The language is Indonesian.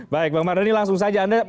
baik bang mardhani langsung saja anda